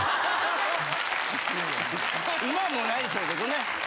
今はもう無いでしょうけどね。